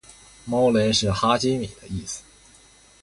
猫雷是哈基米的意思